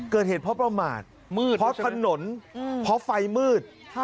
เกิดเหตุเพราะประมาทมืดเพราะถนนเพราะไฟมืด